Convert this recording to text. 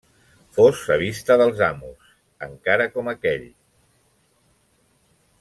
Fos a vista dels amos, encara com aquell!…